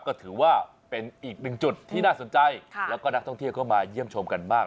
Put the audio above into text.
ก็ถือว่าเป็นอีกหนึ่งจุดที่น่าสนใจแล้วก็นักท่องเที่ยวเข้ามาเยี่ยมชมกันมาก